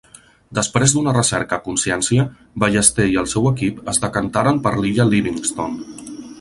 Després d'una recerca a consciència Ballester i el seu equip es decantaren per l'illa Livingston.